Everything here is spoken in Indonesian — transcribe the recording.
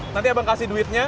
nanti abang kasih duitnya